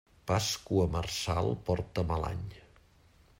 Pasqua marçal porta mal any.